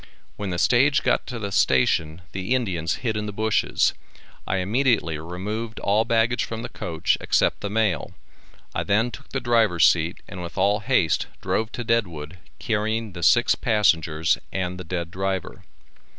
When the stage got to the station the Indians hid in the bushes. I immediately removed all baggage from the coach except the mail. I then took the driver's seat and with all haste drove to Deadwood, carrying the six passengers and the dead driver.